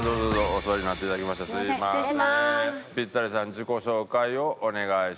自己紹介をお願いします。